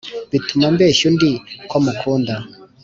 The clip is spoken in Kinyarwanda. Bituma mbeshya undi ko mukunda